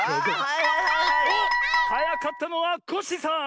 はやかったのはコッシーさん！